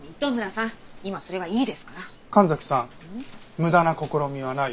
無駄な試みはない。